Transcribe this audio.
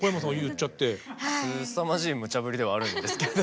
すさまじいむちゃぶりではあるんですけど。